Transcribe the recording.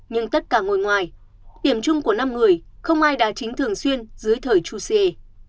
nhưng tất cả ngôi ngoài điểm chung của năm người không ai đa chính thường xuyên dưới thời chusie